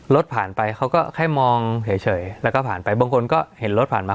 รถผ่านไปเขาก็แค่มองเฉยแล้วก็ผ่านไปบางคนก็เห็นรถผ่านมา